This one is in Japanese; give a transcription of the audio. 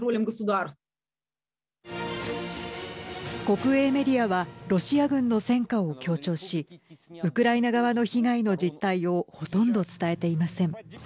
国営メディアはロシア軍の戦果を強調しウクライナ側の被害の実態をほとんど伝えていません。